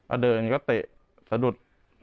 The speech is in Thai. ก็เดินก็เตะสะดุด